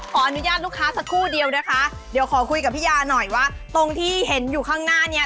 ขออนุญาตลูกค้าสักครู่เดียวด้วยค่ะคุยกับพี่ยาก่อนหน่อยตรงที่เห็นอยู่ข้างหน้าเนี้ย